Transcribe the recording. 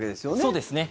そうですね。